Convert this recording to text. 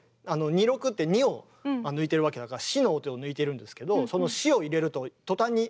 「二六」って２音抜いてるわけだから「シ」の音を抜いてるんですけどその「シ」を入れると途端に。